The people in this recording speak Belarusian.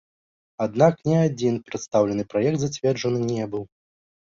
Аднак, ні адзін прадстаўлены праект зацверджаны не быў.